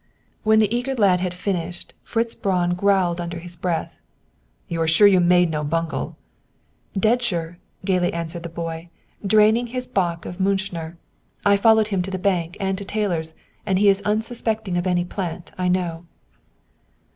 When the eager lad had finished, Fritz Braun growled under his breath, "You are sure you made no bungle?" "Dead sure," gaily answered the boy, draining his bock of Muenchner, "I followed him to the bank and to Taylor's, and he is unsuspecting of any plant, I know."